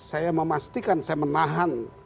saya memastikan saya menahan